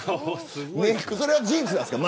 それは事実ですか。